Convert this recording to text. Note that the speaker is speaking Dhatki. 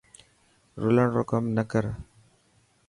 رولڻ رو ڪم نه ڪر.